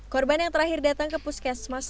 korban yang terakhir datang ke puskesmas